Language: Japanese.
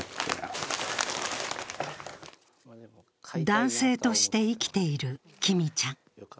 男性として生きているきみちゃん。